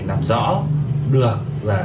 làm rõ được